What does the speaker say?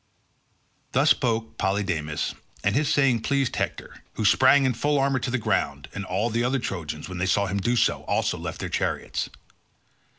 Thus spoke Polydamas and his saying pleased Hector, who sprang in full armour to the ground, and all the other Trojans, when they saw him do so, also left their chariots.